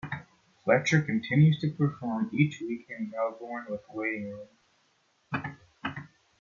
Fletcher continues to perform each week in Melbourne with Waiting Room.